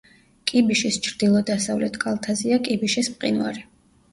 კიბიშის ჩრდილო-დასავლეთ კალთაზეა კიბიშის მყინვარი.